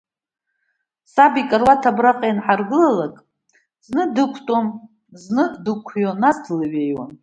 Саб икаруаҭ абраҟа ианҳаргылалак, зны дықәтәон, зны дықәион, нас длеиҩеиуан.